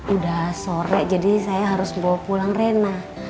udah sore jadi saya harus bawa pulang rena